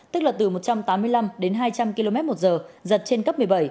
tức là từ một trăm tám mươi năm đến hai trăm linh km một giờ giật trên cấp một mươi bảy